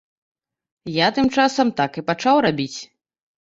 Я, тым часам, так і пачаў рабіць.